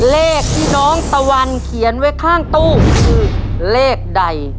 เลขที่น้องตะวันเขียนไว้ข้างตู้คือเลขใด